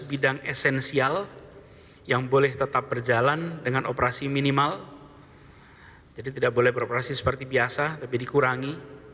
bidang esensial yang boleh tetap berjalan dengan operasi minimal jadi tidak boleh beroperasi seperti biasa tapi dikurangi